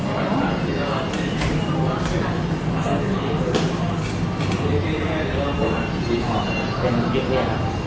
กับผู้หญิงพิกัดเองทั้งหมด